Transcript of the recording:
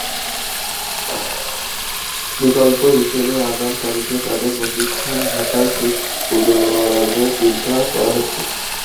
বিকল্প হিসেবে আগাম তারিখে তাঁদের প্রশিক্ষণ ভাতার চেক প্রদানের চিন্তা করা হচ্ছে।